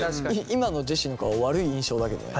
今のジェシーの顔悪い印象だけどね。